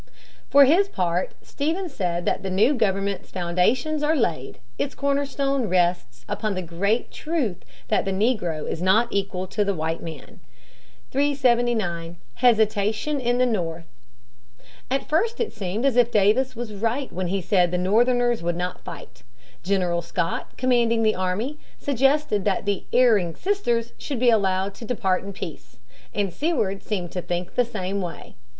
For his part, Stephens said the new government's "foundations are laid, its cornerstone rests, upon the great truth that the negro is not equal to the white man." [Sidenote: "Let the erring sisters" go in peace.] [Sidenote: Greeley's opinions.] [Sidenote: Buchanan's opinions.] 379. Hesitation in the North. At first it seemed as if Davis was right when he said the Northerners would not fight. General Scott, commanding the army, suggested that the "erring sisters" should be allowed to "depart in peace," and Seward seemed to think the same way.